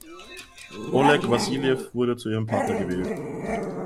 Oleg Wassiljew wurde zu ihrem Partner gewählt.